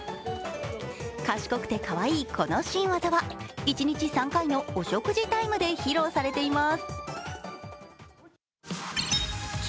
賢くてかわいいこの新技は一日３回のお食事タイムで披露されています。